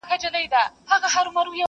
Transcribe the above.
زما د افسانو د قهرمان حماسه ولیکه؛